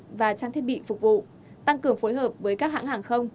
nhân lực và trang thiết bị phục vụ tăng cường phối hợp với các hãng hàng không